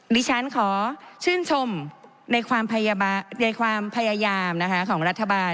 ดิฉันขอชื่นชมในความพยายามของรัฐบาล